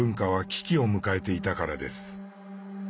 危機を迎えていたからです。